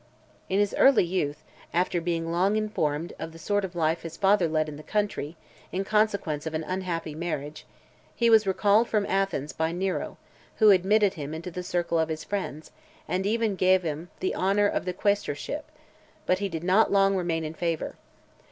In his early youth, after being long informed of the sort of life his father led in the country, in consequence of an unhappy marriage , he was recalled from Athens by Nero, who admitted him into the circle of his friends, and even gave him the honour of the quaestorship; but he did not long remain in favour.